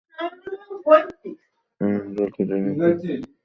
এই অঞ্চলটি তিনটি ফেডারাল প্রদেশ নিয়ে গঠিত।